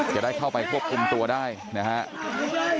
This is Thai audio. จะได้เข้าไปควบคุมตัวได้นะครับ